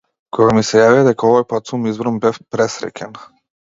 Кога ми јавија дека овој пат сум избран, бев пресреќен.